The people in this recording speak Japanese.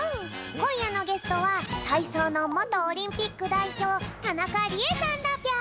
こんやのゲストはたいそうのもとオリンピックだいひょう田中理恵さんだぴょん。